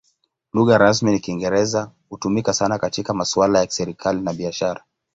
Lugha rasmi ni Kiingereza; hutumika sana katika masuala ya serikali na biashara.